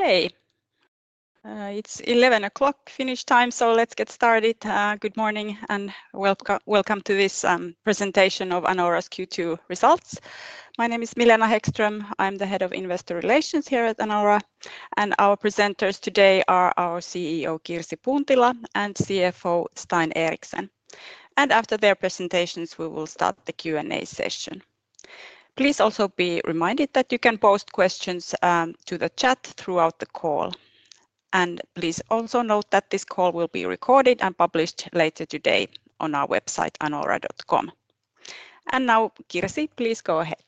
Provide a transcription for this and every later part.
Okay. It's 11:00 A.M. Finnish time, so let's get started. Good morning and welcome to this Presentation of Anora Group Oyj's Q2 Results. My name is Milena Hæggström. I'm the Head of Investor Relations here at Anora. Our presenters today are our CEO, Kirsi Puntila, and CFO, Stein Eriksen. After their presentations, we will start the Q&A session. Please also be reminded that you can post questions to the chat throughout the call. Please also note that this call will be recorded and published later today on our website, anora.com. Now, Kirsi, please go ahead.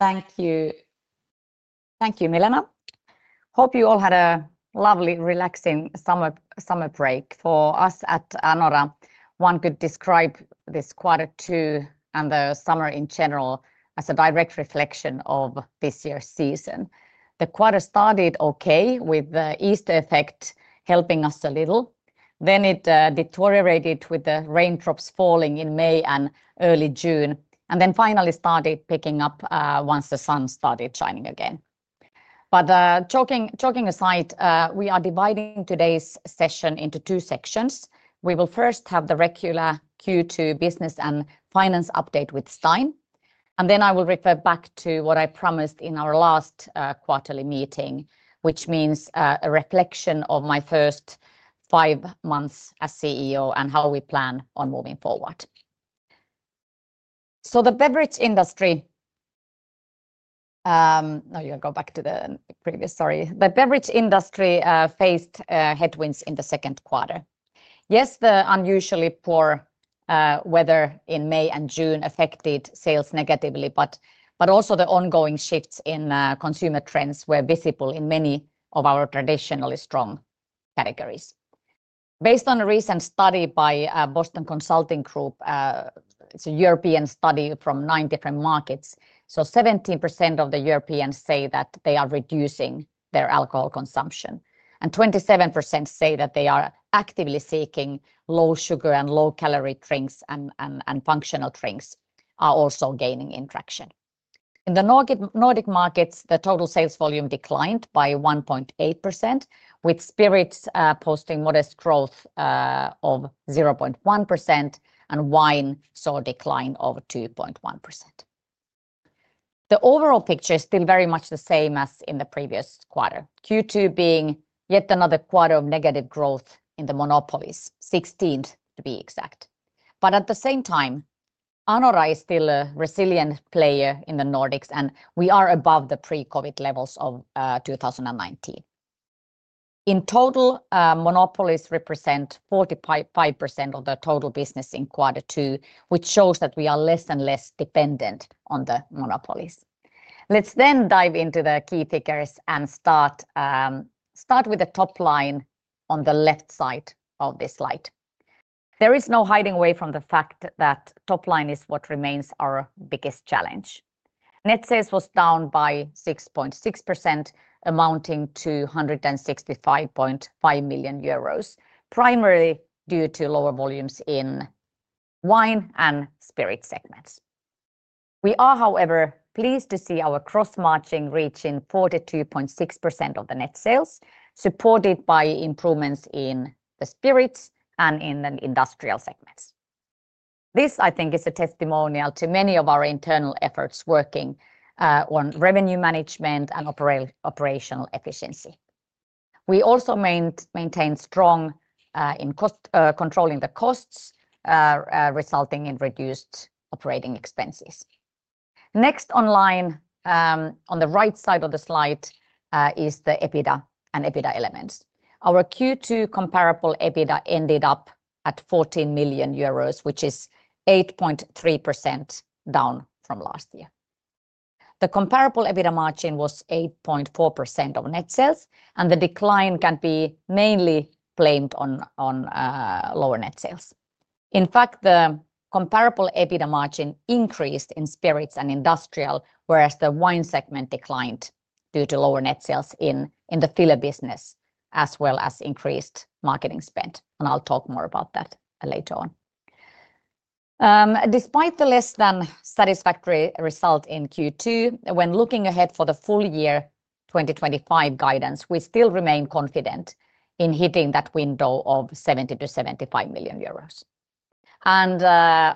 Thank you. Thank you, Milena. Hope you all had a lovely, relaxing summer break. For us at Anora, one could describe this quarter two and the summer in general as a direct reflection of this year's season. The quarter started okay with the Easter effect helping us a little. Then it deteriorated with the raindrops falling in May and early June, and finally started picking up once the sun started shining again. Joking aside, we are dividing today's session into two sections. We will first have the regular Q2 business and finance update with Stein. I will refer back to what I promised in our last quarterly meeting, which means a reflection of my first five months as CEO and how we plan on moving forward. The beverage industry faced headwinds in the second quarter. Yes, the unusually poor weather in May and June affected sales negatively, but also the ongoing shifts in consumer trends were visible in many of our traditionally strong categories. Based on a recent study by Boston Consulting Group, it's a European study from nine different markets. 17% of the Europeans say that they are reducing their alcohol consumption. 27% say that they are actively seeking low-sugar and low-calorie drinks, and functional drinks are also gaining in traction. In the Nordic markets, the total sales volume declined by 1.8%, with spirits posting modest growth of 0.1%, and wine saw a decline of 2.1%. The overall picture is still very much the same as in the previous quarter, Q2 being yet another quarter of negative growth in the monopolies, 16% to be exact. At the same time, Anora is still a resilient player in the Nordics, and we are above the pre-COVID levels of 2019. In total, monopolies represent 45% of the total business in quarter two, which shows that we are less and less dependent on the monopolies. Let's then dive into the key figures and start with the top line on the left side of this slide. There is no hiding away from the fact that top line is what remains our biggest challenge. Net sales was down by 6.6%, amounting to 165.5 million euros, primarily due to lower volumes in wine and spirit segments. We are, however, pleased to see our gross margin reaching 42.6% of the net sales, supported by improvements in the spirits and in the industrial segments. This, I think, is a testimonial to many of our internal efforts working on revenue management and operational efficiency. We also maintain strong controls on the costs, resulting in reduced operating expenses. Next, on the right side of the slide, is the EBITDA and EBITDA elements. Our Q2 comparable EBITDA ended up at 14 million euros, which is 8.3% down from last year. The comparable EBITDA margin was 8.4% of net sales, and the decline can be mainly blamed on lower net sales. In fact, the comparable EBITDA margin increased in spirits and industrial, whereas the wine segment declined due to lower net sales in the filler wine business, as well as increased marketing spend. I'll talk more about that later on. Despite the less than satisfactory result in Q2, when looking ahead for the full year 2025 guidance, we still remain confident in hitting that window of 70 million-75 million euros.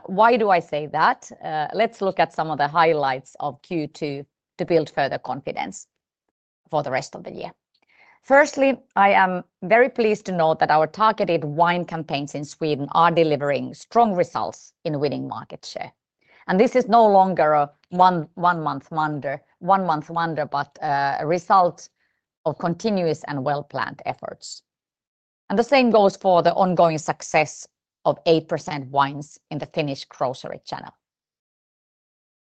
Why do I say that? Let's look at some of the highlights of Q2 to build further confidence for the rest of the year. Firstly, I am very pleased to note that our targeted wine campaigns in Sweden are delivering strong results in winning market share. This is no longer a one-month wonder, but a result of continuous and well-planned efforts. The same goes for the ongoing success of 8% wines in the Finnish grocery channel.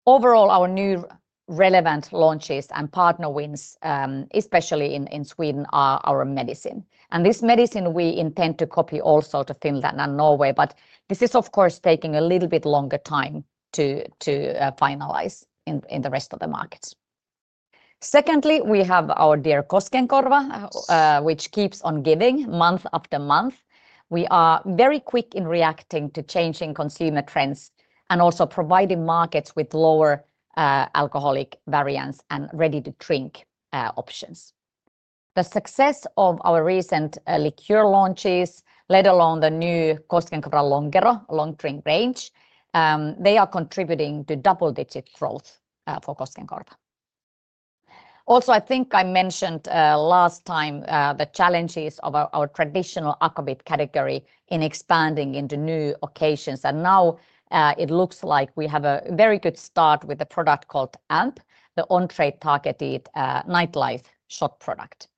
Overall, our new relevant launches and partner wins, especially in Sweden, are our medicine. This medicine we intend to copy also to Finland and Norway, but this is, of course, taking a little bit longer time to finalize in the rest of the markets. Secondly, we have our dear Koskenkorva, which keeps on giving month after month. We are very quick in reacting to changing consumer trends and also providing markets with lower alcoholic variants and ready-to-drink options. The success of our recent liqueur launches, let alone the new Koskenkorva Lonkero, long drink range, they are contributing to double-digit growth for Koskenkorva. I think I mentioned last time the challenges of our traditional Aquavit category in expanding into new occasions. Now, it looks like we have a very good start with a product called AMP, the Entrade-targeted nightlife shot product.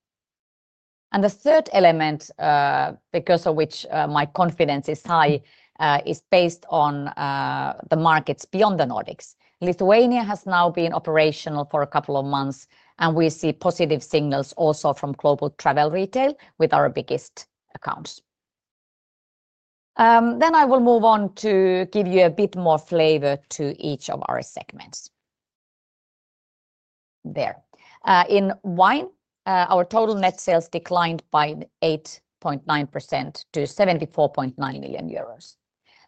The third element, because of which my confidence is high, is based on the markets beyond the Nordics. Lithuania has now been operational for a couple of months, and we see positive signals also from global travel retail with our biggest accounts. I will move on to give you a bit more flavor to each of our segments. In wine, our total net sales declined by 8.9% to 74.9 million euros.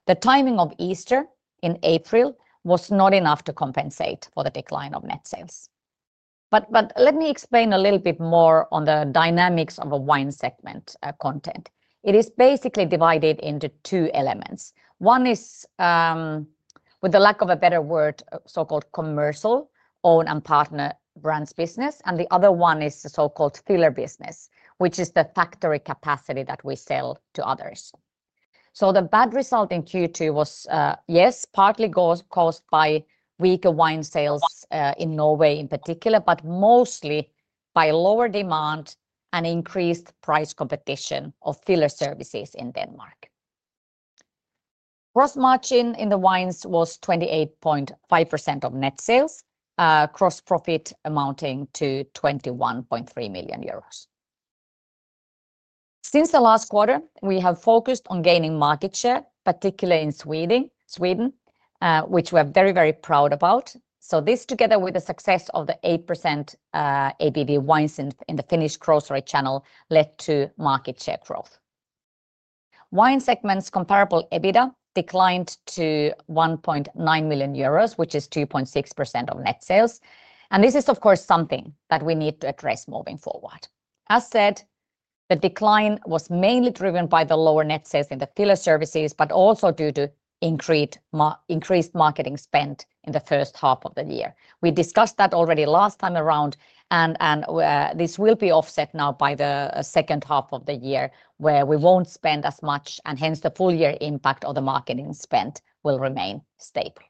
The timing of Easter in April was not enough to compensate for the decline of net sales. Let me explain a little bit more on the dynamics of a wine segment content. It is basically divided into two elements. One is, with the lack of a better word, so-called commercial own and partner brands business, and the other one is the so-called filler business, which is the factory capacity that we sell to others. The bad result in Q2 was, yes, partly caused by weaker wine sales in Norway in particular, but mostly by lower demand and increased price competition of filler services in Denmark. Gross margin in the wines was 28.5% of net sales, gross profit amounting to 21.3 million euros. Since the last quarter, we have focused on gaining market share, particularly in Sweden, which we are very, very proud about. This, together with the success of the 8% ABV wines in the Finnish grocery channel, led to market share growth. Wine segment's comparable EBITDA declined to 1.9 million euros, which is 2.6% of net sales. This is, of course, something that we need to address moving forward. As said, the decline was mainly driven by the lower net sales in the filler services, but also due to increased marketing spend in the first half of the year. We discussed that already last time around, and this will be offset now by the second half of the year, where we won't spend as much, and hence the full year impact of the marketing spend will remain stable.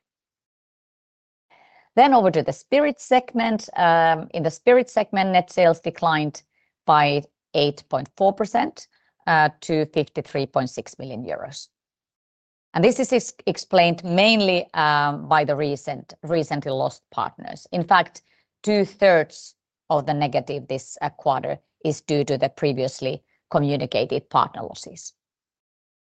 Over to the spirit segment. In the spirit segment, net sales declined by 8.4% to 53.6 million euros. This is explained mainly by the recently lost partners. In fact, 2/3 of the negative this quarter is due to the previously communicated partner losses.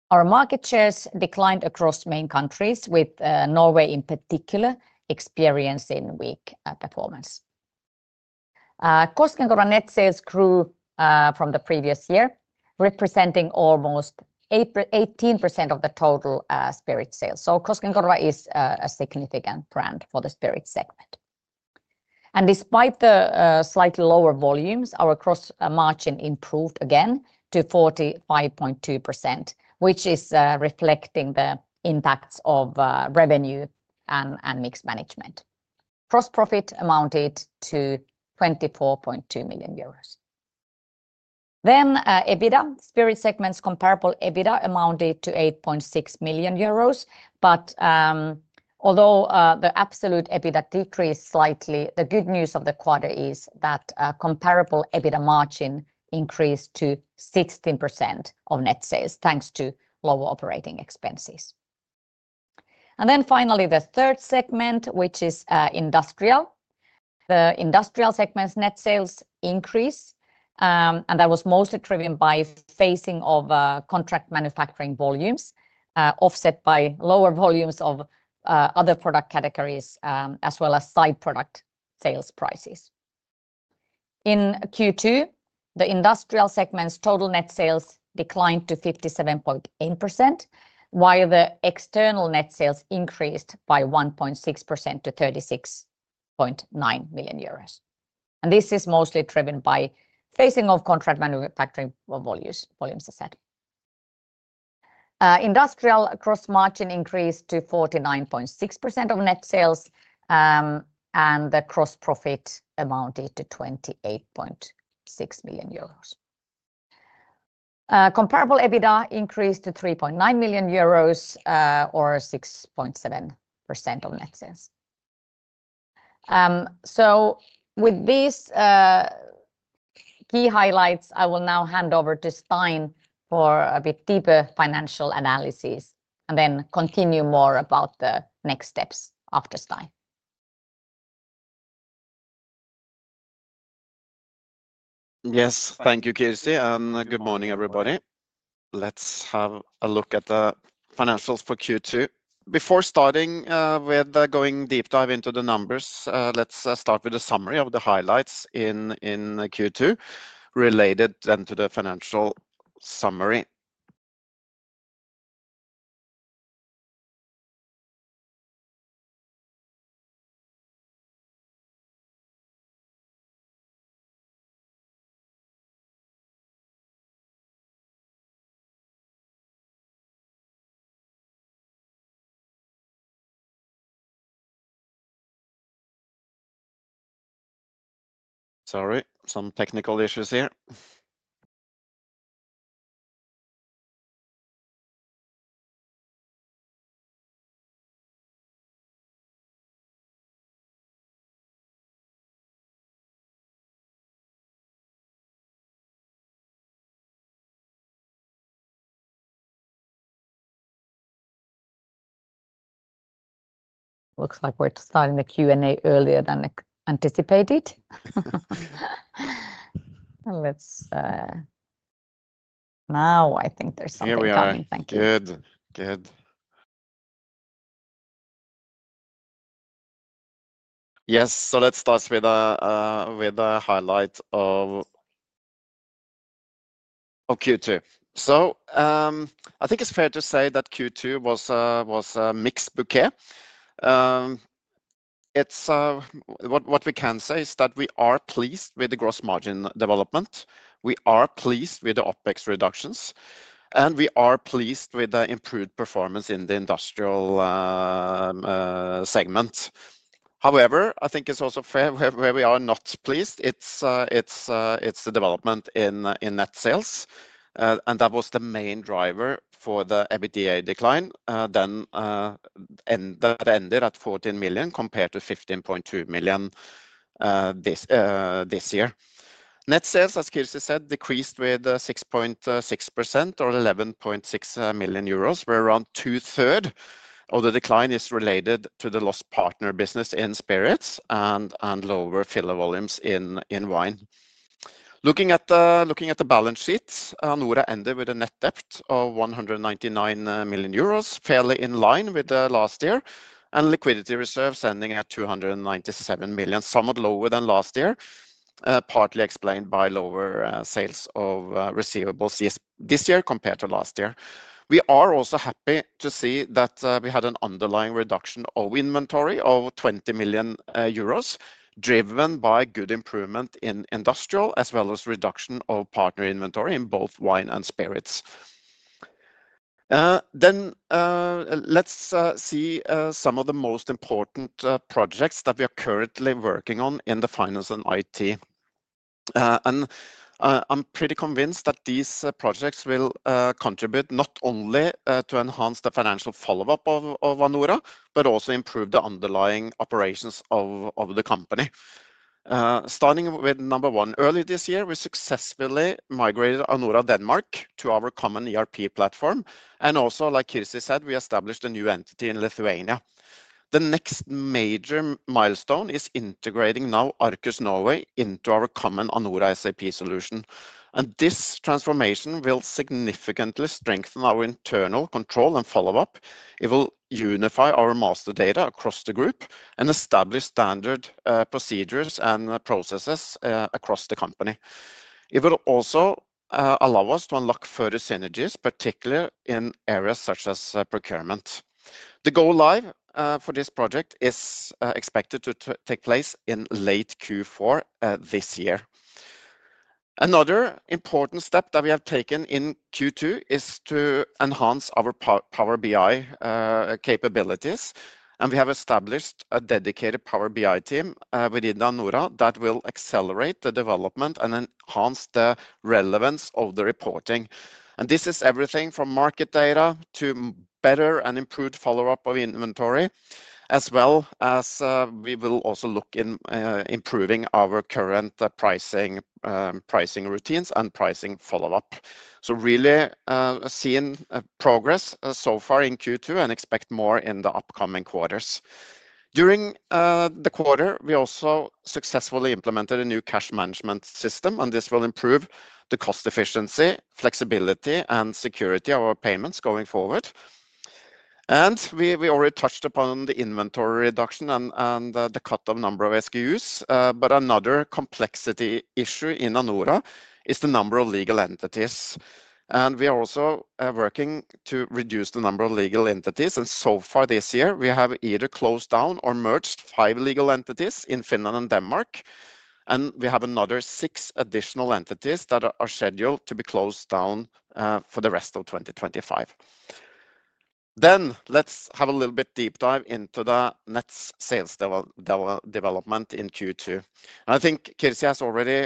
Our market shares declined across main countries, with Norway in particular experiencing weak performance. Koskenkorva net sales grew from the previous year, representing almost 18% of the total spirit sales. Koskenkorva is a significant brand for the spirit segment. Despite the slightly lower volumes, our gross margin improved again to 45.2%, which is reflecting the impacts of revenue and mix management. Gross profit amounted to 24.2 million euros. Spirit segment's comparable EBITDA amounted to 8.6 million euros. Although the absolute EBITDA decreased slightly, the good news of the quarter is that comparable EBITDA margin increased to 16% of net sales, thanks to lower operating expenses. Finally, the third segment, which is industrial. The industrial segment's net sales increased, and that was mostly driven by phasing of contract manufacturing volumes, offset by lower volumes of other product categories, as well as side product sales prices. In Q2, the industrial segment's total net sales declined to 57.8%, while the external net sales increased by 1.6% to 36.9 million euros. This is mostly driven by phasing of contract manufacturing volumes, as I said. Industrial cross-marching increased to 49.6% of net sales, and the gross profit amounted to 28.6 million euros. Comparable EBITDA increased to 3.9 million euros, or 6.7% of net sales. With these key highlights, I will now hand over to Stein for a bit deeper financial analysis, and then continue more about the next steps after Stein. Yes, thank you, Kirsi, and good morning, everybody. Let's have a look at the financials for Q2. Before starting with the deep dive into the numbers, let's start with a summary of the highlights in Q2 related to the financial summary. Sorry, some technical issues here. Looks like we're starting the Q&A earlier than anticipated. I think there's someone coming. Here we are. Good, good. Yes, let's start with the highlight of Q2. I think it's fair to say that Q2 was a mixed bouquet. What we can say is that we are pleased with the gross margin development. We are pleased with the OpEx reductions. We are pleased with the improved performance in the industrial segment. However, I think it's also fair where we are not pleased. It's the development in net sales. That was the main driver for the EBITDA decline. That ended at 14 million compared to 15.2 million this year. Net sales, as Kirsi said, decreased by 6.6% or 11.6 million euros, where around 2/3 of the decline is related to the lost partner business in spirits and lower filler volumes in wine. Looking at the balance sheets, Anora ended with a net debt of 199 million euros, fairly in line with last year, and liquidity reserves ending at 297 million, somewhat lower than last year, partly explained by lower sales of receivables this year compared to last year. We are also happy to see that we had an underlying reduction of inventory of 20 million euros, driven by good improvement in industrial, as well as reduction of partner inventory in both wine and spirits. Let's see some of the most important projects that we are currently working on in finance and IT. I'm pretty convinced that these projects will contribute not only to enhance the financial follow-up of Anora, but also improve the underlying operations of the company. Starting with number one, earlier this year, we successfully migrated Anora Denmark to our common ERP platform. Also, like Kirsi said, we established a new entity in Lithuania. The next major milestone is integrating now Arcus Norway into our common Anora SAP solution. This transformation will significantly strengthen our internal control and follow-up. It will unify our master data across the group and establish standard procedures and processes across the company. It will also allow us to unlock further synergies, particularly in areas such as procurement. The go-live for this project is expected to take place in late Q4 this year. Another important step that we have taken in Q2 is to enhance our Power BI capabilities. We have established a dedicated Power BI team within Anora that will accelerate the development and enhance the relevance of the reporting. This is everything from market data to better and improved follow-up of inventory, as well as we will also look at improving our current pricing routines and pricing follow-up. We are really seeing progress so far in Q2 and expect more in the upcoming quarters. During the quarter, we also successfully implemented a new cash management system, and this will improve the cost efficiency, flexibility, and security of our payments going forward. We already touched upon the inventory reduction and the cut of the number of SKUs. Another complexity issue in Anora is the number of legal entities. We are also working to reduce the number of legal entities. So far this year, we have either closed down or merged five legal entities in Finland and Denmark. We have another six additional entities that are scheduled to be closed down for the rest of 2025. Let's have a little bit deep dive into the net sales development in Q2. I think Kirsi has already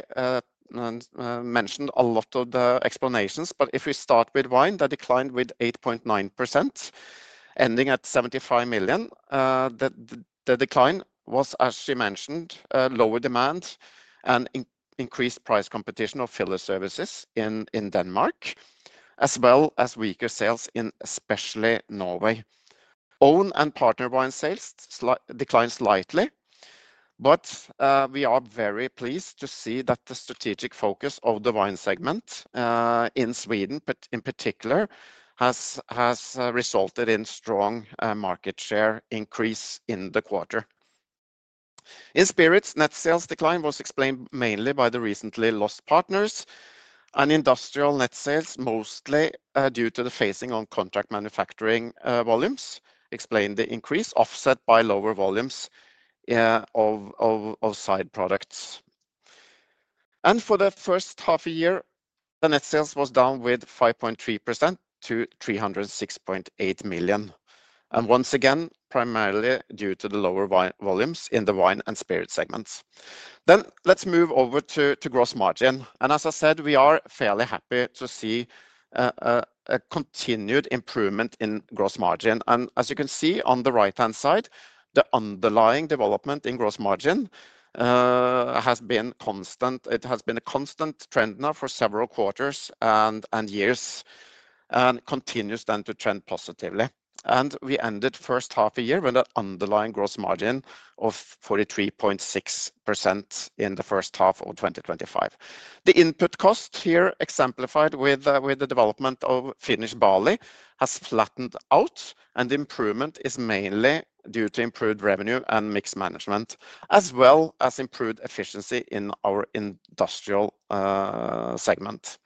mentioned a lot of the explanations, but if we start with wine, that declined by 8.9%, ending at 75 million. The decline was, as she mentioned, lower demand and increased price competition of filler services in Denmark, as well as weaker sales in especially Norway. Own and partner wine sales declined slightly. We are very pleased to see that the strategic focus of the wine segment in Sweden, in particular, has resulted in strong market share increase in the quarter. In spirits, net sales decline was explained mainly by the recently lost partners. Industrial net sales, mostly due to the phasing on contract manufacturing volumes, explained the increase offset by lower volumes of side products. For the first half of the year, the net sales was down by 5.3% to 306.8 million, primarily due to the lower volumes in the wine and spirit segments. Let's move over to gross margin. As I said, we are fairly happy to see a continued improvement in gross margin. As you can see on the right-hand side, the underlying development in gross margin has been constant. It has been a constant trend now for several quarters and years and continues to trend positively. We ended the first half of the year with an underlying gross margin of 43.6% in the first half of 2025. The input cost here, exemplified with the development of Finnish barley, has flattened out, and the improvement is mainly due to improved revenue and mix management, as well as improved efficiency in our industrial segment.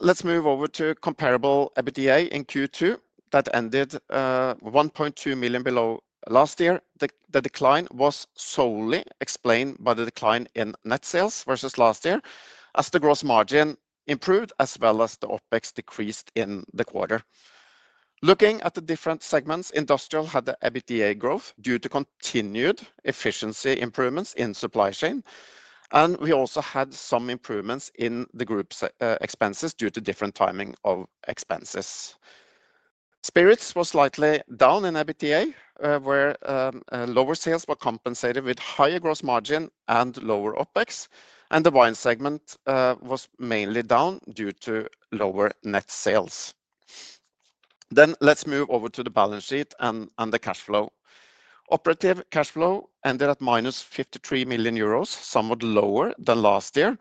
Let's move over to comparable EBITDA in Q2 that ended $1.2 million below last year. The decline was solely explained by the decline in net sales versus last year, as the gross margin improved as well as the OpEx decreased in the quarter. Looking at the different segments, industrial had the EBITDA growth due to continued efficiency improvements in supply chain. We also had some improvements in the group expenses due to different timing of expenses. Spirits was slightly down in EBITDA, where lower sales were compensated with higher gross margin and lower OpEx. The wine segment was mainly down due to lower net sales. Let's move over to the balance sheet and the cash flow. Operative cash flow ended at minus 53 million euros, somewhat lower than last year.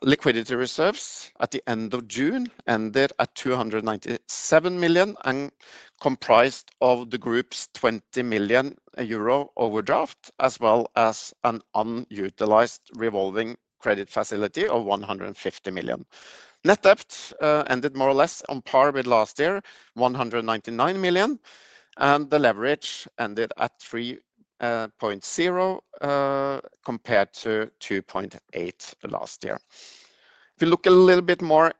Liquidity reserves at the end of June ended at 297 million and comprised of the group's 20 million euro overdraft, as well as an unutilized revolving credit facility of 150 million. Net debt ended more or less on par with last year, 199 million. The leverage ended at 3.0% compared to 2.8% last year. If we look a little bit more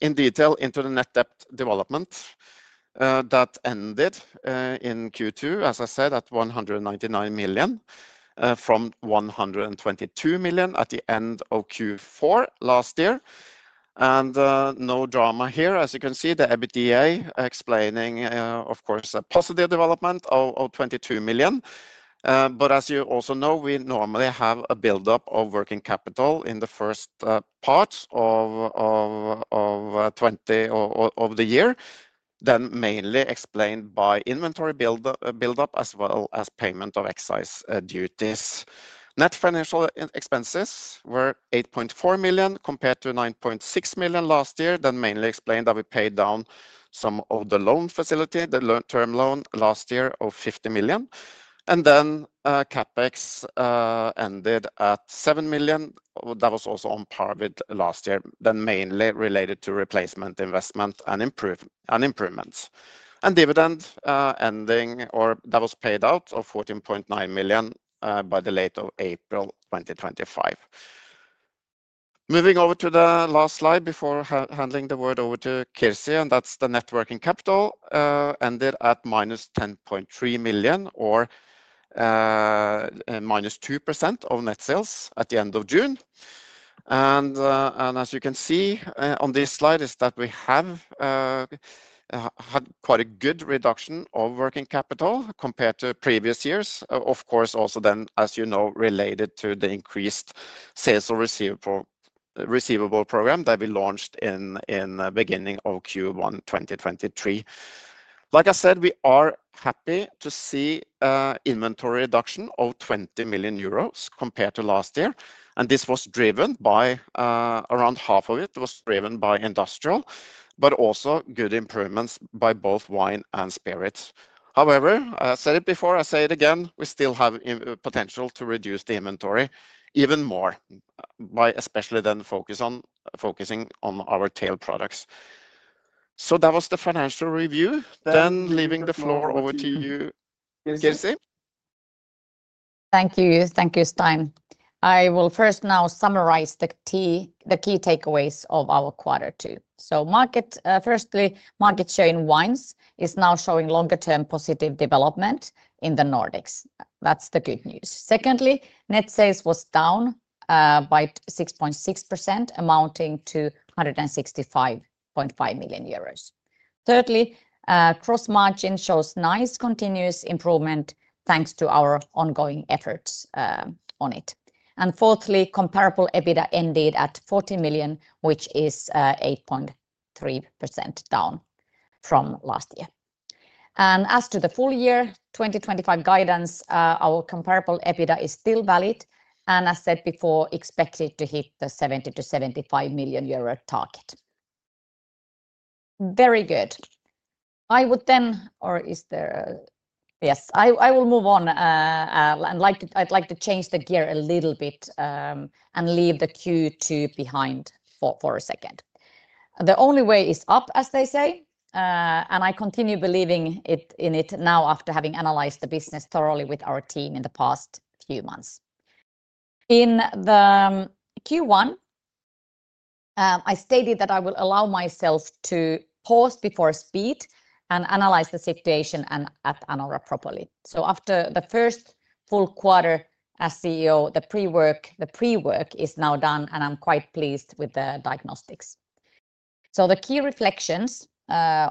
in detail into the net debt development that ended in Q2, as I said, at 199 million, from 122 million at the end of Q4 last year. No drama here, as you can see, the EBITDA explaining, of course, a positive development of 22 million. As you also know, we normally have a buildup of working capital in the first part of the year, mainly explained by inventory buildup as well as payment of excise duties. Net financial expenses were 8.4 million compared to 9.6 million last year, mainly explained that we paid down some of the loan facility, the term loan last year of 50 million. CapEx ended at 7 million. That was also on par with last year, mainly related to replacement investment and improvements. Dividend ending, or that was paid out of 14.9 million by the late of April 2025. Moving over to the last slide before handing the word over to Kirsi, that's the net working capital, ended at minus 10.3 million or -2% of net sales at the end of June. As you can see on this slide, we have had quite a good reduction of working capital compared to previous years. Of course, also then, as you know, related to the increased sales of receivable program that we launched in the beginning of Q1 2023. Like I said, we are happy to see inventory reduction of 20 million euros compared to last year. This was driven by around half of it was driven by industrial, but also good improvements by both wine and spirits. However, I said it before, I say it again, we still have the potential to reduce the inventory even more by especially then focusing on our tail products. That was the financial review. Leaving the floor over to you, Kirsi. Thank you, Stein. I will first now summarize the key takeaways of our quarter two. Firstly, market share in wines is now showing longer-term positive development in the Nordics. That's the good news. Secondly, net sales was down by 6.6%, amounting to 165.5 million euros. Thirdly, gross margin shows nice continuous improvement thanks to our ongoing efforts on it. Fourthly, comparable EBITDA ended at 40 million, which is 8.3% down from last year. As to the full year 2025 guidance, our comparable EBITDA is still valid, and as I said before, expected to hit the 70-75 million euro target. Very good. I would then, or is there, yes, I will move on. I'd like to change the gear a little bit and leave the Q2 behind for a second. The only way is up, as they say, and I continue believing in it now after having analyzed the business thoroughly with our team in the past few months. In Q1, I stated that I will allow myself to pause before speed and analyze the situation and at Anora properly. After the first full quarter as CEO, the pre-work is now done, and I'm quite pleased with the diagnostics. The key reflections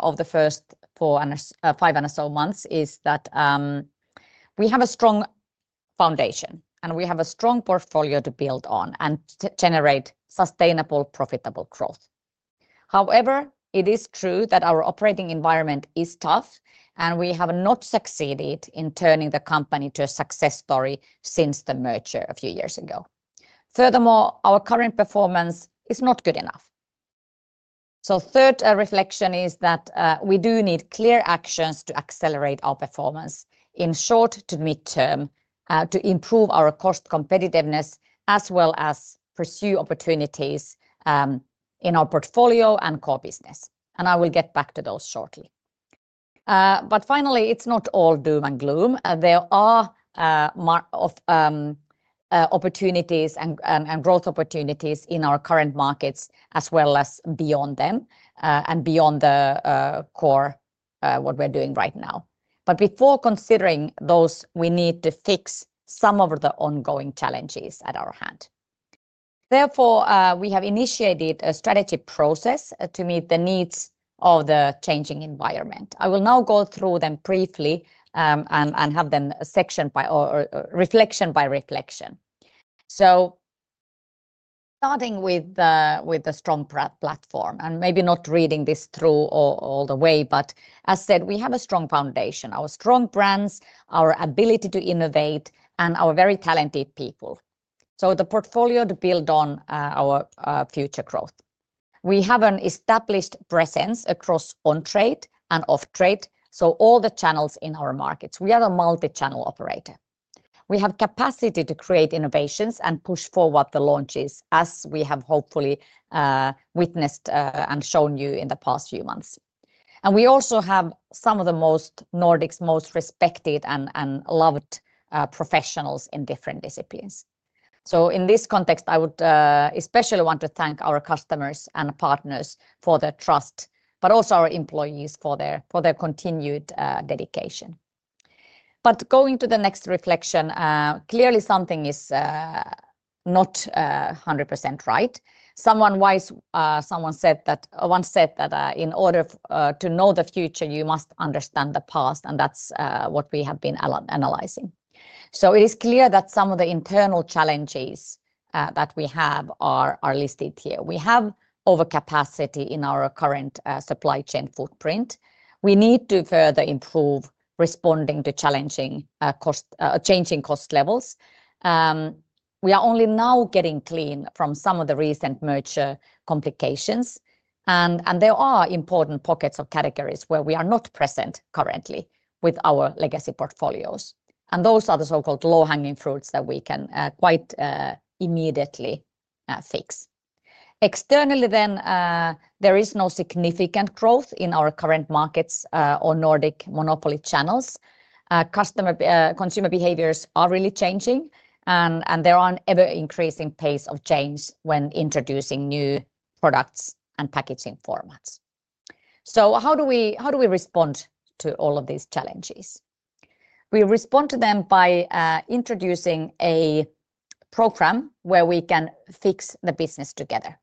of the first four and five and so months is that we have a strong foundation, and we have a strong portfolio to build on and generate sustainable, profitable growth. However, it is true that our operating environment is tough, and we have not succeeded in turning the company to a success story since the merger a few years ago. Furthermore, our current performance is not good enough. The third reflection is that we do need clear actions to accelerate our performance in short to mid-term to improve our cost competitiveness, as well as pursue opportunities in our portfolio and core business. I will get back to those shortly. Finally, it's not all doom and gloom. There are opportunities and growth opportunities in our current markets, as well as beyond them and beyond the core what we're doing right now. Before considering those, we need to fix some of the ongoing challenges at our hand. Therefore, we have initiated a strategy process to meet the needs of the changing environment. I will now go through them briefly and have them sectioned by reflection by reflection. Starting with the strong platform, and maybe not reading this through all the way, but as I said, we have a strong foundation, our strong brands, our ability to innovate, and our very talented people. The portfolio to build on our future growth. We have an established presence across on-trade and off-trade, so all the channels in our markets. We are a multi-channel operator. We have capacity to create innovations and push forward the launches, as we have hopefully witnessed and shown you in the past few months. We also have some of the Nordics' most respected and loved professionals in different disciplines. In this context, I would especially want to thank our customers and partners for their trust, but also our employees for their continued dedication. Going to the next reflection, clearly something is not 100% right. Someone said that in order to know the future, you must understand the past, and that's what we have been analyzing. It is clear that some of the internal challenges that we have are listed here. We have overcapacity in our current supply chain footprint. We need to further improve responding to changing cost levels. We are only now getting clean from some of the recent merger complications. There are important pockets of categories where we are not present currently with our legacy portfolios. Those are the so-called low-hanging fruits that we can quite immediately fix. Externally, there is no significant growth in our current markets or Nordic monopoly channels. Consumer behaviors are really changing, and there are an ever-increasing pace of change when introducing new products and packaging formats. How do we respond to all of these challenges? We respond to them by introducing a program where we can fix the business together.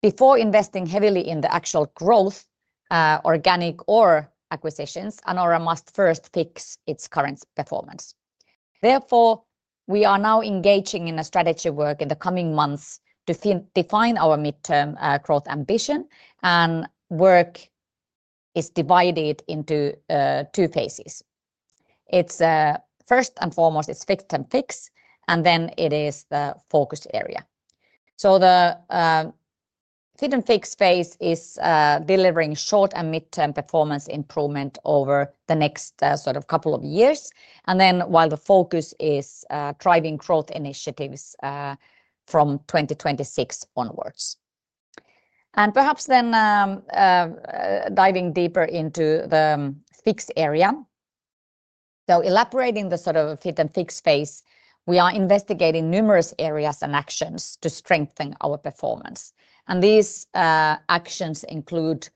Before investing heavily in the actual growth, organic or acquisitions, Anora must first fix its current performance. Therefore, we are now engaging in a strategy work in the coming months to define our mid-term growth ambition, and work is divided into two phases. First and foremost is fix and fix, and then it is the focus area. The fix and fix phase is delivering short and mid-term performance improvement over the next sort of couple of years. While the focus is driving growth initiatives from 2026 onwards. Perhaps then diving deeper into the fix area. Elaborating the sort of fix and fix phase, we are investigating numerous areas and actions to strengthen our performance. These actions include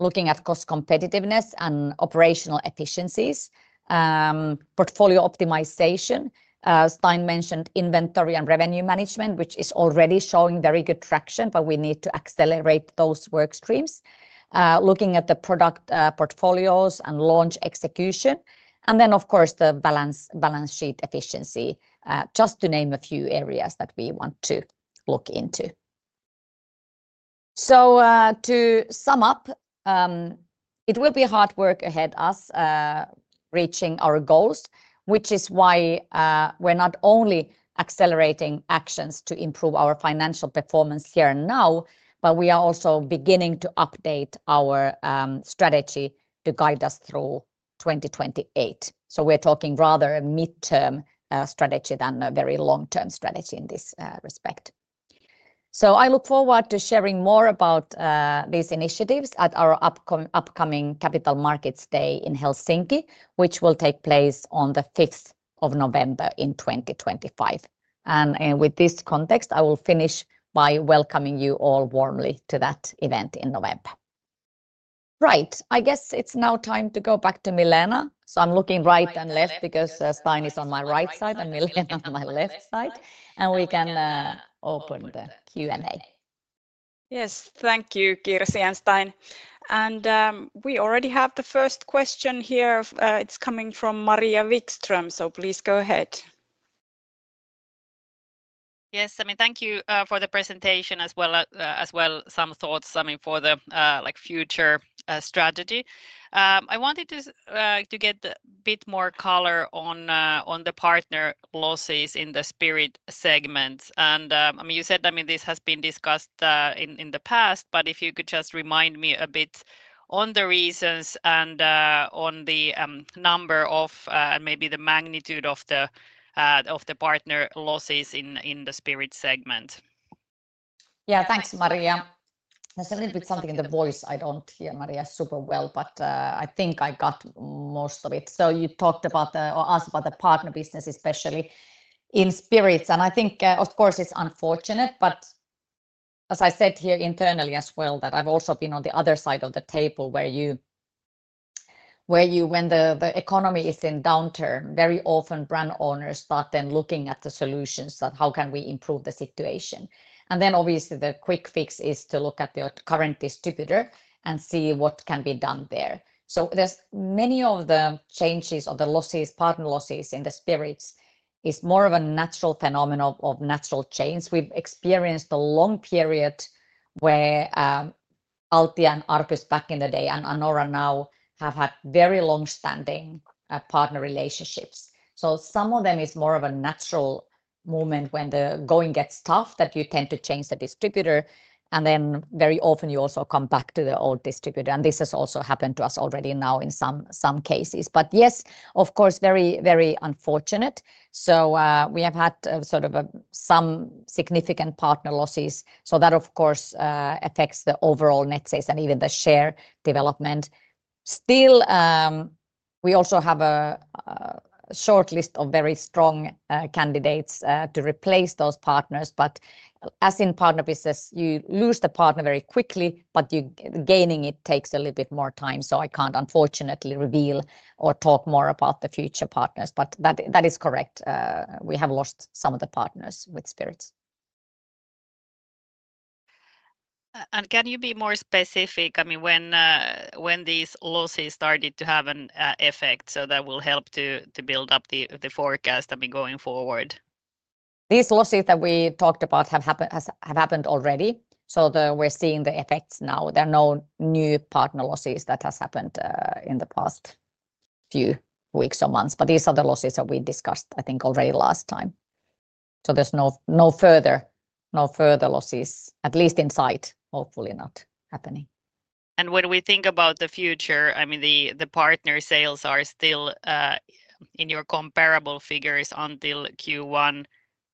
looking at cost competitiveness and operational efficiencies, portfolio optimization. Stein mentioned inventory and revenue management, which is already showing very good traction, but we need to accelerate those work streams. Looking at the product portfolios and launch execution, and then, of course, the balance sheet efficiency, just to name a few areas that we want to look into. To sum up, it will be hard work ahead of us reaching our goals, which is why we're not only accelerating actions to improve our financial performance here and now, but we are also beginning to update our strategy to guide us through 2028. We're talking rather a mid-term strategy than a very long-term strategy in this respect. I look forward to sharing more about these initiatives at our upcoming Capital Markets Day in Helsinki, which will take place on the 5th of November in 2025. With this context, I will finish by welcoming you all warmly to that event in November. Right, I guess it's now time to go back to Milena. I'm looking right and left because Stein is on my right side and Milena on my left side, and we can open the Q&A. Yes, thank you, Kirsi and Stein. We already have the first question here. It's coming from Maria Wikström, so please go ahead. Yes, thank you for the presentation as well as some thoughts for the future strategy. I wanted to get a bit more color on the partner losses in the spirit segment. You said this has been discussed in the past, but if you could just remind me a bit on the reasons and on the number of and maybe the magnitude of the partner losses in the spirit segment. Yeah, thanks, Maria. There's a little bit something in the voice. I don't hear Maria super well, but I think I got most of it. You talked about or asked about the partner business, especially in spirits. I think, of course, it's unfortunate, but as I said here internally as well, that I've also been on the other side of the table where you, when the economy is in downturn, very often brand owners start then looking at the solutions that how can we improve the situation. Obviously, the quick fix is to look at your current distributor and see what can be done there. Many of the changes or the losses, partner losses in the spirits, is more of a natural phenomenon of natural change. We've experienced a long period where Altia and Arcus back in the day and Anora now have had very long-standing partner relationships. Some of them is more of a natural moment when the going gets tough that you tend to change the distributor. Very often you also come back to the old distributor. This has also happened to us already now in some cases. Yes, of course, very, very unfortunate. We have had sort of some significant partner losses. That, of course, affects the overall net sales and even the share development. Still, we also have a shortlist of very strong candidates to replace those partners. As in partner business, you lose the partner very quickly, but gaining it takes a little bit more time. I can't unfortunately reveal or talk more about the future partners. That is correct. We have lost some of the partners with spirits. Can you be more specific? I mean, when these losses started to have an effect, that will help to build up the forecast going forward. These losses that we talked about have happened already. We're seeing the effects now. There are no new partner losses that have happened in the past few weeks or months. These are the losses that we discussed, I think, already last time. There's no further losses, at least in sight, hopefully not happening. When we think about the future, I mean, the partner sales are still in your comparable figures until Q1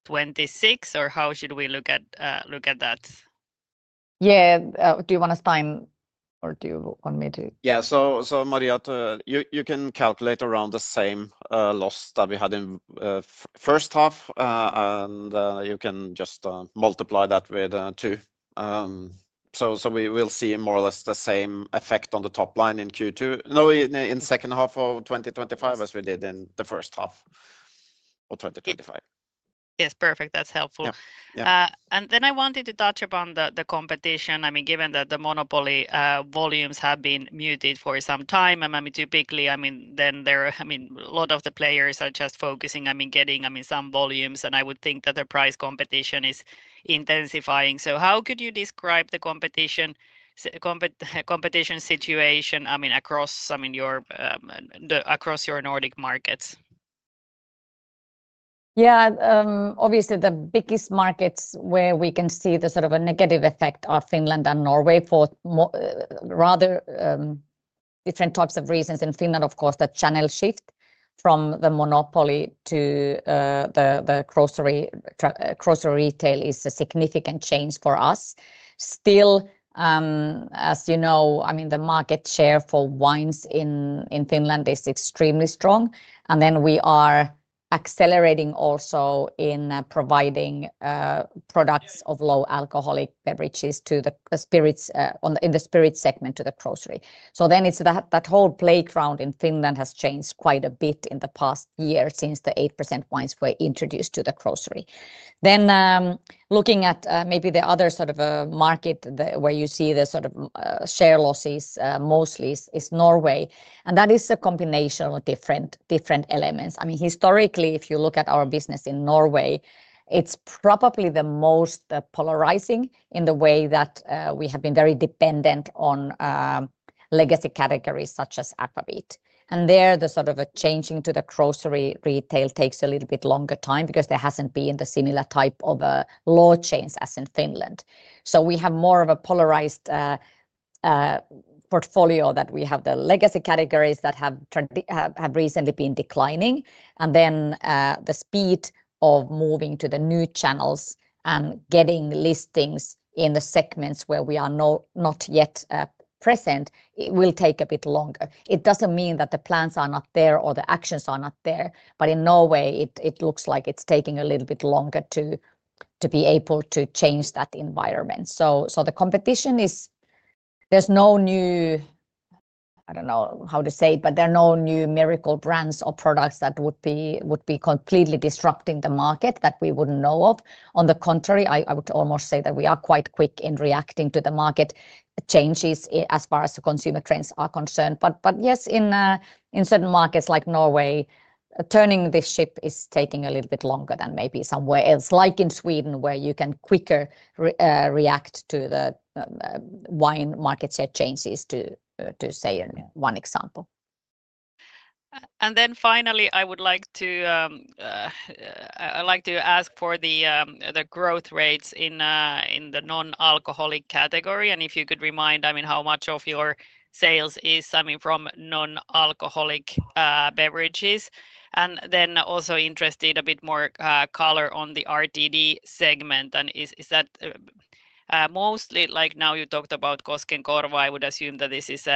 2026, or how should we look at that? Yeah, do you want to, Stein, or do you want me to? Maria, you can calculate around the same loss that we had in the first half, and you can just multiply that with two. We will see more or less the same effect on the top line in Q2, in the second half of 2025, as we did in the first half of 2025. Yes, perfect. That's helpful. I wanted to touch upon the competition. Given that the monopoly volumes have been muted for some time, typically, a lot of the players are just focusing on getting some volumes, and I would think that the price competition is intensifying. How could you describe the competition situation across your Nordic markets? Yeah, obviously, the biggest markets where we can see the sort of a negative effect are Finland and Norway for rather different types of reasons. In Finland, of course, the channel shift from the monopoly to the grocery retail is a significant change for us. Still, as you know, I mean, the market share for wines in Finland is extremely strong. We are accelerating also in providing products of low alcoholic beverages in the spirit segment to the grocery. That whole playground in Finland has changed quite a bit in the past year since the 8% wines were introduced to the grocery. Looking at maybe the other sort of market where you see the sort of share losses mostly is Norway. That is a combination of different elements. I mean, historically, if you look at our business in Norway, it's probably the most polarizing in the way that we have been very dependent on legacy categories such as Aquavit. There, the sort of changing to the grocery retail takes a little bit longer time because there hasn't been the similar type of law changes as in Finland. We have more of a polarized portfolio that we have the legacy categories that have recently been declining. The speed of moving to the new channels and getting listings in the segments where we are not yet present will take a bit longer. It doesn't mean that the plans are not there or the actions are not there, but in Norway, it looks like it's taking a little bit longer to be able to change that environment. The competition is, there's no new, I don't know how to say it, but there are no new miracle brands or products that would be completely disrupting the market that we wouldn't know of. On the contrary, I would almost say that we are quite quick in reacting to the market changes as far as the consumer trends are concerned. Yes, in certain markets like Norway, turning this ship is taking a little bit longer than maybe somewhere else, like in Sweden, where you can quicker react to the wine market share changes, to say one example. Finally, I would like to ask for the growth rates in the non-alcoholic category. If you could remind, how much of your sales is from non-alcoholic beverages? I am also interested in a bit more color on the RTD segment. Is that mostly, like now you talked about Koskenkorva, I would assume that this is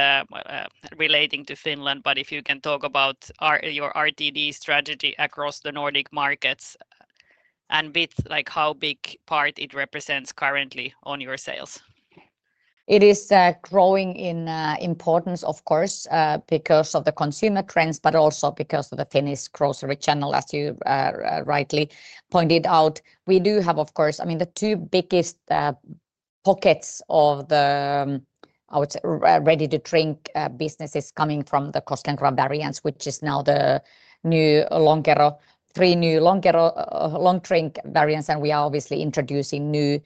relating to Finland, but if you can talk about your RTD strategy across the Nordic markets and how big a part it represents currently on your sales. It is growing in importance, of course, because of the consumer trends, but also because of the Finnish grocery channel, as you rightly pointed out. We do have, of course, the two biggest pockets of the, I would say, ready-to-drink business is coming from the Koskenkorva variants, which is now the new longer-three new long drink variants. We are obviously introducing new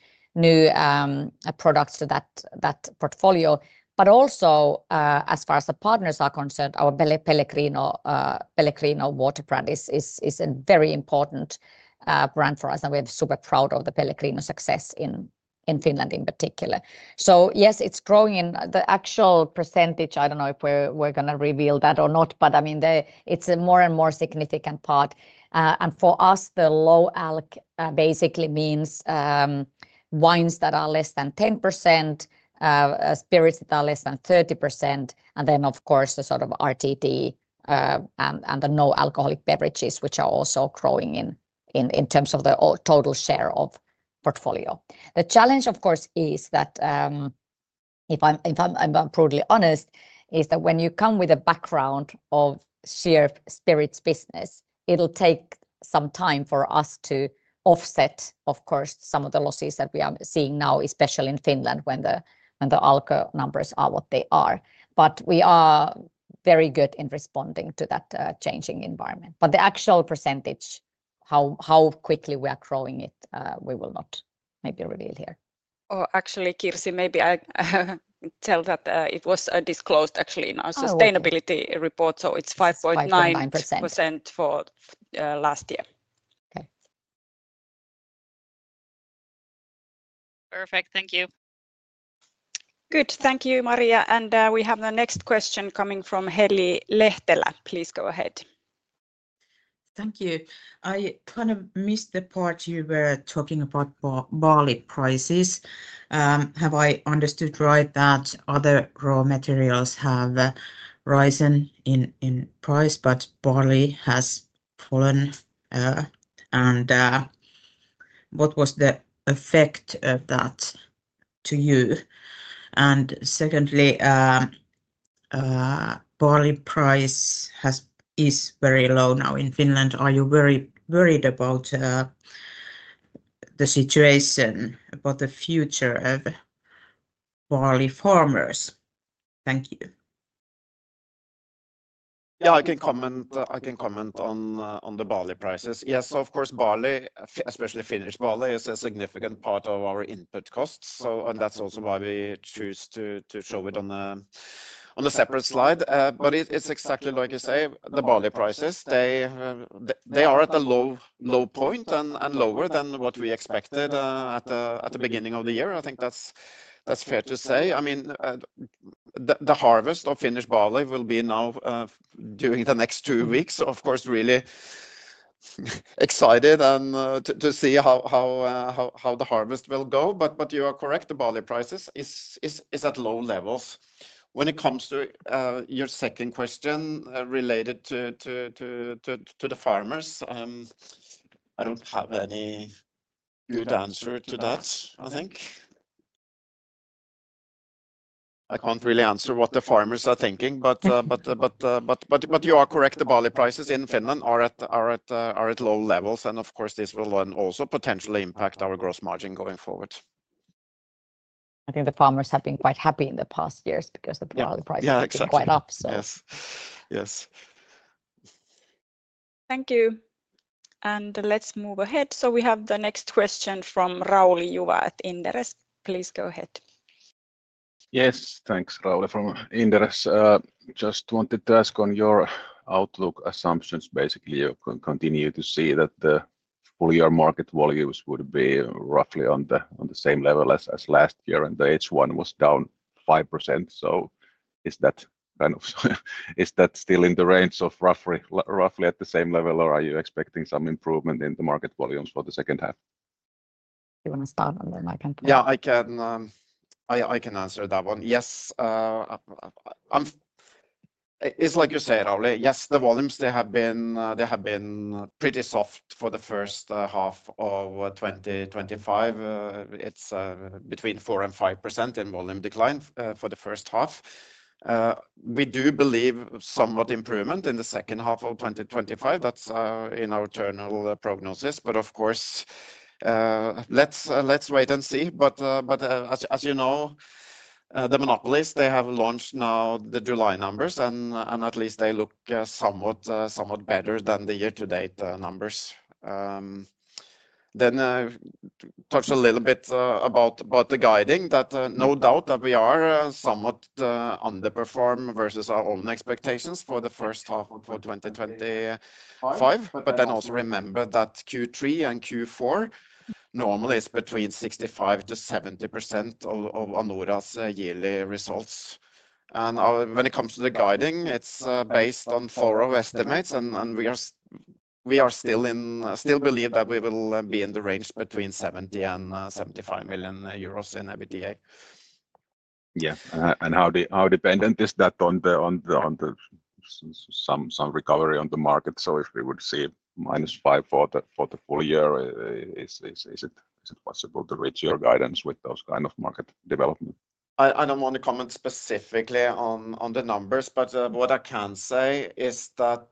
products to that portfolio. As far as the partners are concerned, our Pellegrino water brand is a very important brand for us. We're super proud of the Pellegrino success in Finland in particular. Yes, it's growing. The actual percentage, I don't know if we're going to reveal that or not, but it's a more and more significant part. For us, the low alk basically means wines that are less than 10%, spirits that are less than 30%, and then, of course, the sort of RTD and the no-alcoholic beverages, which are also growing in terms of the total share of portfolio. The challenge, of course, is that, if I'm brutally honest, is that when you come with a background of shared spirits business, it'll take some time for us to offset some of the losses that we are seeing now, especially in Finland, when the alko numbers are what they are. We are very good in responding to that changing environment. The actual percentage, how quickly we are growing it, we will not maybe reveal here. Actually, Kirsi, maybe I tell that it was disclosed in our sustainability report. It's 5.9% for last year. Okay. Perfect. Thank you. Good. Thank you, Maria. We have the next question coming from Heli Lehtelä. Please go ahead. Thank you. I missed the part you were talking about barley prices. Have I understood right that other raw materials have risen in price, but barley has fallen? What was the effect of that to you? Secondly, barley price is very low now in Finland. Are you very worried about the situation, about the future of barley farmers? Thank you. Yeah, I can comment on the barley prices. Yes, of course, barley, especially Finnish barley, is a significant part of our input costs. That's also why we choose to show it on a separate slide. It's exactly like you say, the barley prices, they are at the low point and lower than what we expected at the beginning of the year. I think that's fair to say. I mean, the harvest of Finnish barley will be now during the next two weeks. Of course, really excited to see how the harvest will go. You are correct, the barley prices are at low levels. When it comes to your second question related to the farmers, I don't have any good answer to that, I think. I can't really answer what the farmers are thinking, you are correct, the barley prices in Finland are at low levels. This will also potentially impact our gross margin going forward. I think the farmers have been quite happy in the past years because the barley prices are quite up. Yes, yes. Thank you. Let's move ahead. We have the next question from Rauli Juva, Inderes. Please go ahead. Yes, thanks, Rauli from Inderes. Just wanted to ask on your outlook assumptions. Basically, you continue to see that the full-year market volumes would be roughly on the same level as last year, and the H1 was down 5%. Is that still in the range of roughly at the same level, or are you expecting some improvement in the market volumes for the second half? Do you want to start, and then I can? Yeah, I can answer that one. Yes. It's like you said, Rauli. Yes, the volumes, they have been pretty soft for the first half of 2025. It's between 4% and 5% in volume decline for the first half. We do believe somewhat improvement in the second half of 2025. That's in our internal prognosis. Of course, let's wait and see. As you know, the monopolies, they have launched now the July numbers, and at least they look somewhat better than the year-to-date numbers. Touch a little bit about the guiding, that no doubt that we are somewhat underperformed versus our own expectations for the first half of 2025. Also remember that Q3 and Q4 normally is between 65%-70% of Anora's yearly results. When it comes to the guiding, it's based on thorough estimates, and we are still believing that we will be in the range between 70 million and 75 million euros in EBITDA. Yeah. How dependent is that on the recovery on the market? If we would see -5% for the full year, is it possible to reach your guidance with those kinds of market developments? I don't want to comment specifically on the numbers, but what I can say is that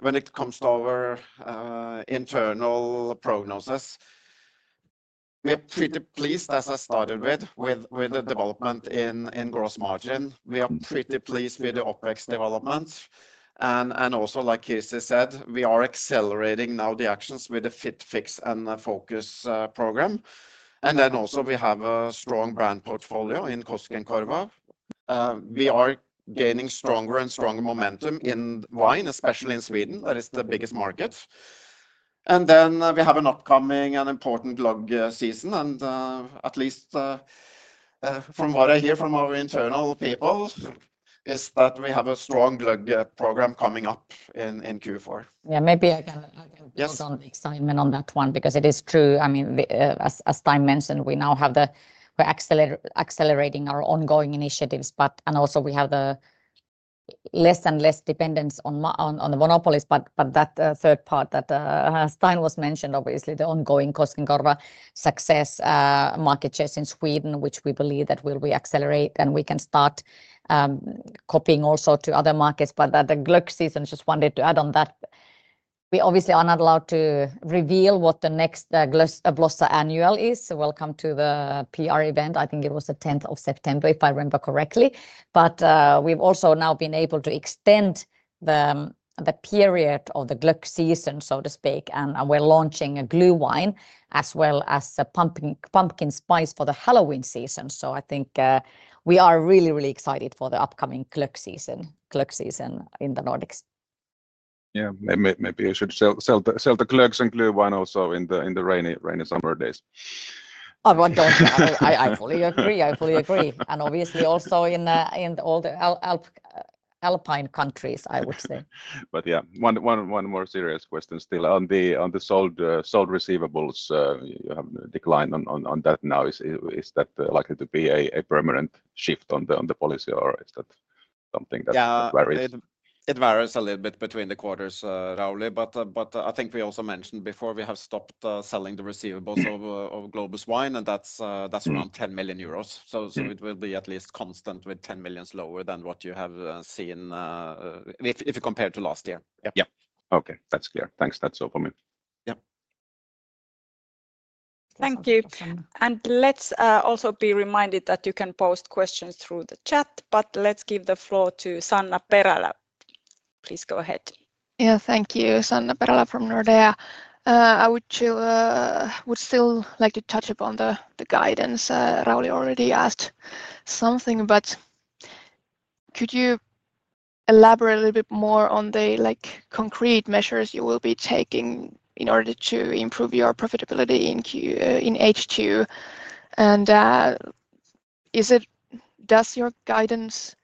when it comes to our internal prognosis, we are pretty pleased, as I started with, with the development in gross margin. We are pretty pleased with the OpEx development. Also, like Kirsi said, we are accelerating now the actions with the fit, fix, and focus program. We have a strong brand portfolio in Koskenkorva. We are gaining stronger and stronger momentum in wine, especially in Sweden. That is the biggest market. We have an upcoming and important lug season. At least from what I hear from our internal people, is that we have a strong lug program coming up in Q4. Yeah, maybe I can put some excitement on that one because it is true. I mean, as Stein mentioned, we now have the accelerating our ongoing initiatives, but also we have the less and less dependence on the monopolies. That third part that Stein was mentioning, obviously, the ongoing Koskenkorva success, market shares in Sweden, which we believe that we accelerate, and we can start copying also to other markets. The glögg season, I just wanted to add on that. We obviously are not allowed to reveal what the next Blossa annual is. Welcome to the PR event. I think it was the 10th of September, if I remember correctly. We've also now been able to extend the period of the glögg season, so to speak. We're launching a glühwein as well as pumpkin spice for the Halloween season. I think we are really, really excited for the upcoming glögg season in the Nordics. Yeah, maybe you should sell the glögg and glühwein also in the rainy summer days. I fully agree. I fully agree. Obviously, also in all the alpine countries, I would say. One more serious question still on the sold receivables. You have declined on that now. Is that likely to be a permanent shift on the policy, or is that something that varies? It varies a little bit between the quarters, Rauli. I think we also mentioned before we have stopped selling the receivables of Globus Wine, and that's around 10 million euros. It will be at least constant with 10 million lower than what you have seen if you compare to last year. That's clear. Thanks. That's all for me. Thank you. Let's also be reminded that you can post questions through the chat, but let's give the floor to Sanna Perälä. Please go ahead. Thank you, Sanna Perälä from Nordea. I would still like to touch upon the guidance. Rauli already asked something, but could you elaborate a little bit more on the concrete measures you will be taking in order to improve your profitability in H2? Does your guidance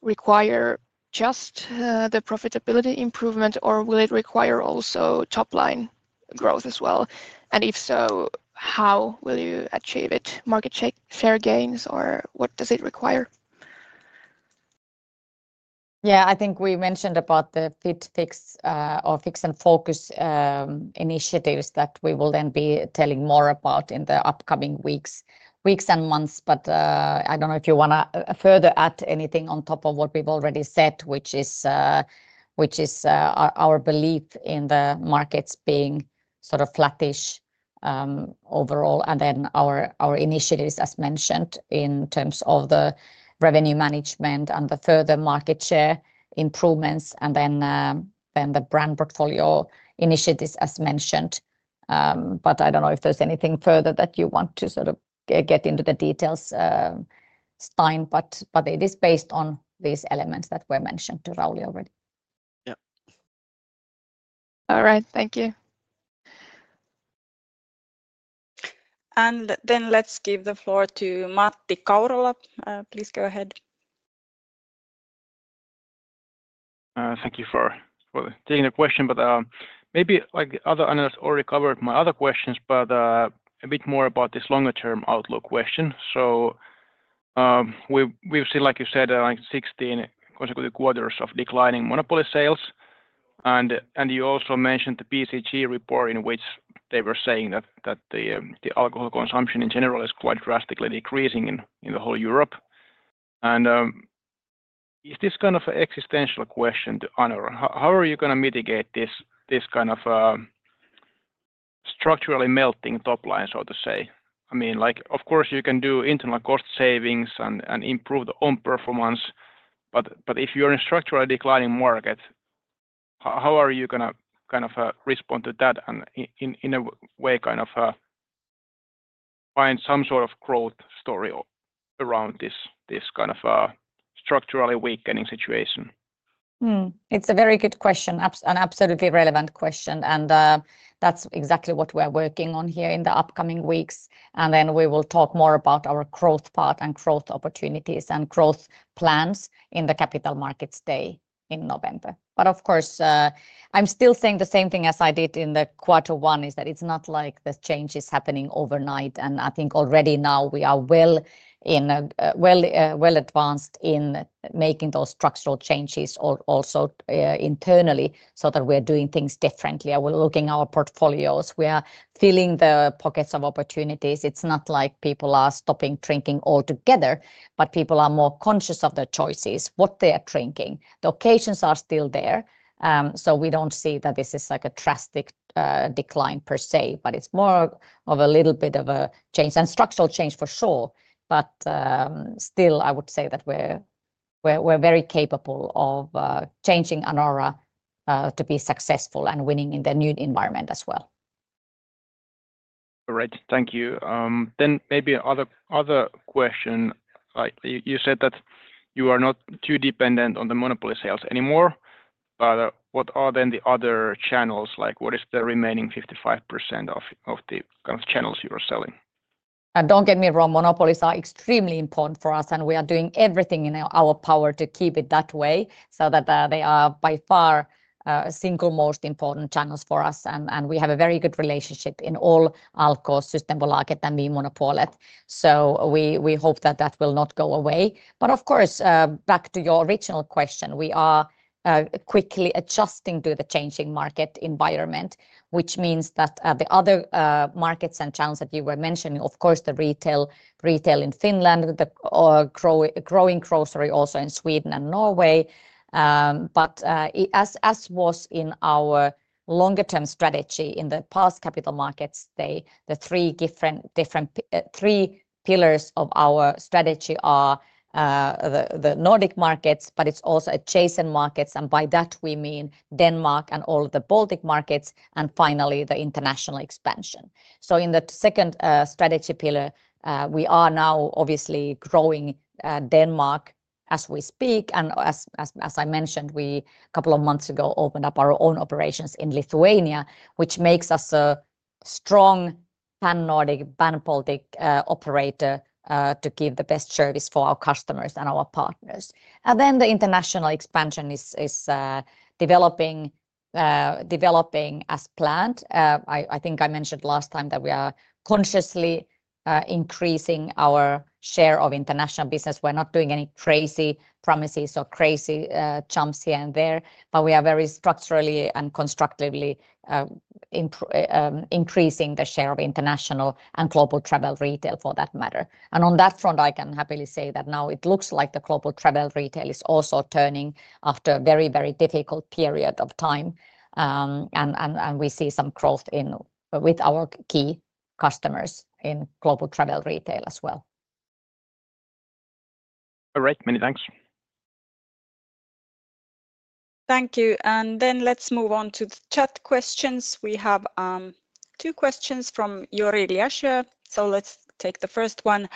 require just the profitability improvement, or will it require also top-line growth as well? If so, how will you achieve it? Market share gains, or what does it require? Yeah, I think we mentioned about the fit, fix, or fix and focus initiatives that we will then be telling more about in the upcoming weeks and months. I don't know if you want to further add anything on top of what we've already said, which is our belief in the markets being sort of flattish overall. Our initiatives, as mentioned, in terms of the revenue management and the further market share improvements, and then the brand portfolio initiatives, as mentioned. I don't know if there's anything further that you want to sort of get into the details, Stein, but it is based on these elements that were mentioned to Rauli already. Yeah. All right, thank you. Let's give the floor to Matti Kaurala. Please go ahead. Thank you for taking the question. Maybe the other analysts already covered my other questions, but a bit more about this longer-term outlook question. We've seen, like you said, 16 consecutive quarters of declining monopoly sales. You also mentioned the BCG report in which they were saying that the alcohol consumption in general is quite drastically decreasing in the whole Europe. Is this kind of an existential question to Anora? How are you going to mitigate this kind of structurally melting top line, so to say? I mean, of course, you can do internal cost savings and improve the own performance. If you're in a structurally declining market, how are you going to kind of respond to that and in a way kind of find some sort of growth story around this kind of structurally weakening situation? It's a very good question, an absolutely relevant question. That's exactly what we're working on here in the upcoming weeks. We will talk more about our growth path, growth opportunities, and growth plans in the Capital Markets Day in November. Of course, I'm still saying the same thing as I did in quarter one, that it's not like the change is happening overnight. I think already now we are well advanced in making those structural changes also internally so that we're doing things differently. We're looking at our portfolios. We are filling the pockets of opportunities. It's not like people are stopping drinking altogether, but people are more conscious of their choices, what they are drinking. The occasions are still there. We don't see that this is like a drastic decline per se, but it's more of a little bit of a change and structural change for sure. Still, I would say that we're very capable of changing Anora to be successful and winning in the new environment as well. All right, thank you. Maybe another question. You said that you are not too dependent on the monopoly sales anymore, but what are the other channels? What is the remaining 55% of the kind of channels you are selling? Don't get me wrong, monopolies are extremely important for us, and we are doing everything in our power to keep it that way so that they are by far the single most important channels for us. We have a very good relationship in all Alko's Sustainable Market and Vinmonopolet. We hope that will not go away. Of course, back to your original question, we are quickly adjusting to the changing market environment, which means that the other markets and channels that you were mentioning, the retail in Finland, the growing grocery also in Sweden and Norway. As was in our longer-term strategy in the past Capital Markets Day, the three different pillars of our strategy are the Nordic markets, but it's also adjacent markets. By that, we mean Denmark and all the Baltic markets, and finally the international expansion. In the second strategy pillar, we are now obviously growing Denmark as we speak. As I mentioned, a couple of months ago we opened up our own operations in Lithuania, which makes us a strong pan-Nordic, pan-Baltic operator to give the best service for our customers and our partners. The international expansion is developing as planned. I think I mentioned last time that we are consciously increasing our share of international business. We're not doing any crazy promises or crazy jumps here and there, but we are very structurally and constructively increasing the share of international and global travel retail for that matter. On that front, I can happily say that now it looks like the global travel retail is also turning after a very, very difficult period of time. We see some growth with our key customers in global travel retail as well. All right, many thanks. Thank you. Let's move on to the chat questions. We have two questions from [Joridjasse]. Let's take the first one.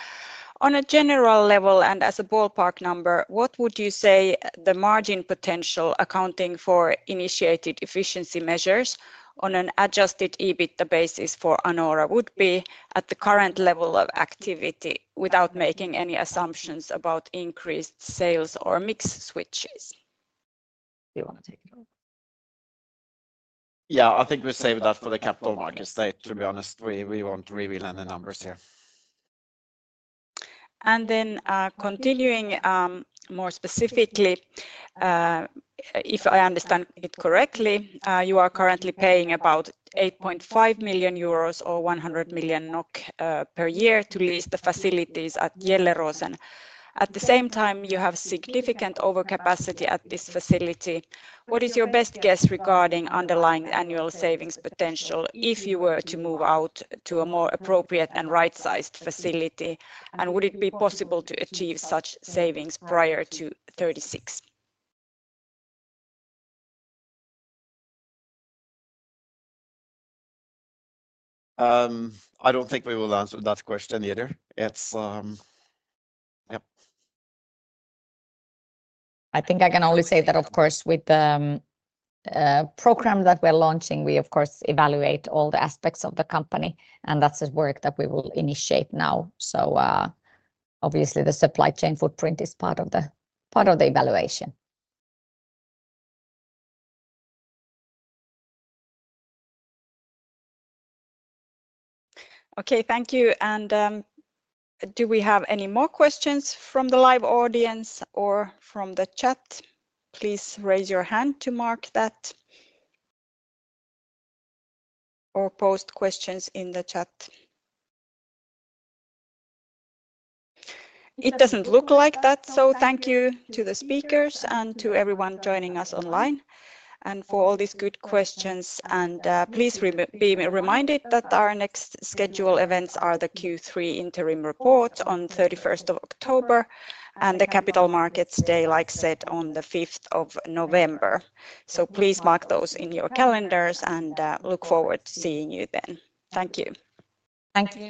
On a general level and as a ballpark number, what would you say the margin potential accounting for initiated efficiency measures on an adjusted EBITDA basis for Anora would be at the current level of activity without making any assumptions about increased sales or mix switches? I think we'll save that for the Capital Markets Day. To be honest, we won't reveal any numbers here. Continuing more specifically, if I understand it correctly, you are currently paying about 8.5 million euros or 100 million NOK per year to lease the facilities at Gjelleråsen. At the same time, you have significant overcapacity at this facility. What is your best guess regarding underlying annual savings potential if you were to move out to a more appropriate and right-sized facility? Would it be possible to achieve such savings prior to 2036? I don't think we will answer that question either. I think I can only say that, of course, with the program that we're launching, we, of course, evaluate all the aspects of the company. That's the work that we will initiate now. Obviously, the supply chain footprint is part of the evaluation. Okay, thank you. Do we have any more questions from the live audience or from the chat? Please raise your hand to mark that or post questions in the chat. It doesn't look like that. Thank you to the speakers and to everyone joining us online. For all these good questions, please be reminded that our next scheduled events are the Q3 interim report on 31st of October and the Capital Markets Day, like I said, on the 5th of November. Please mark those in your calendars and look forward to seeing you then. Thank you. Thank you.